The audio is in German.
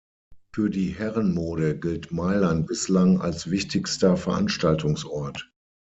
Für die Herrenmode gilt Mailand bislang als wichtigster Veranstaltungsort.